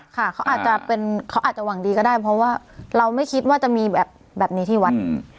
เขาอาจจะหวังดีก็ได้เพราะว่าเราไม่คิดว่าจะมีแบบนี้ที่วัด